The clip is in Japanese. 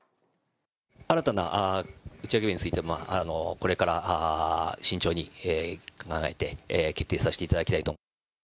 新たな打ち上げ日については、これから慎重に考えて決定させていただきたいと。